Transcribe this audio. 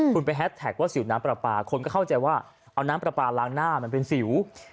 คุณไปแฮสแท็กว่าสิวน้ำปลาปลาคนก็เข้าใจว่าเอาน้ำปลาปลาล้างหน้ามันเป็นสิว